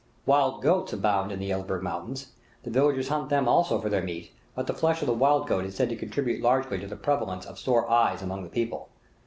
Wild goats abound in the Elburz Mountains; the villagers hunt them also for their meat, but the flesh of the wild goat is said to contribute largely to the prevalence of sore eyes among the people.